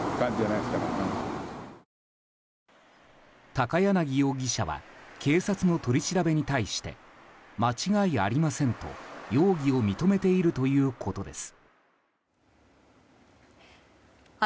高柳容疑者は警察の取り調べに対して間違いありませんと容疑を認めているということです。